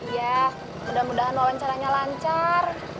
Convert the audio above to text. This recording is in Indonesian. ya mudah mudahan wawancaranya lancar